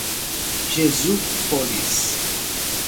Jesúpolis